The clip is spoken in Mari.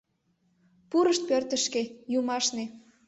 Пурышт пӧртышкӧ — юмашне!